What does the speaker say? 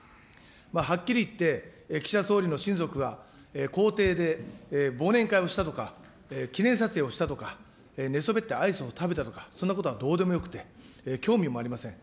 はっきり言って、岸田総理の親族は、公邸で忘年会をしたとか、記念撮影をしたとか、寝そべってアイスを食べたとか、そんなことはどうでもよくて、興味もありません。